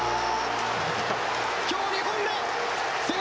今日２本目！